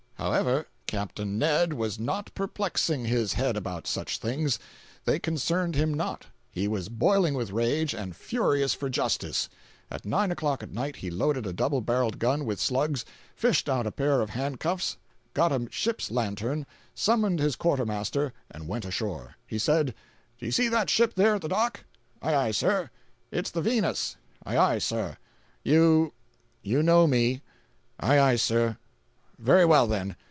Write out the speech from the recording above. However, Capt. Ned was not perplexing his head about such things. They concerned him not. He was boiling with rage and furious for justice. At nine o'clock at night he loaded a double barreled gun with slugs, fished out a pair of handcuffs, got a ship's lantern, summoned his quartermaster, and went ashore. He said: "Do you see that ship there at the dock?" "Ay ay, sir." "It's the Venus." "Ay ay, sir." "You—you know me." "Ay ay, sir." "Very well, then.